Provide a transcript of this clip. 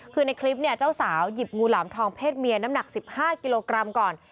คือในคลิปเนี่ยเจ้าสาวหยิบงูหลามทองเพศเมียน้ำหนัก๑๕กิโลกรัมก่อน